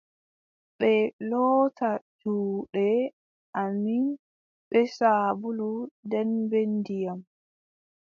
Ɓe loota juuɗe amin bee saabulu, nden be ndiyam!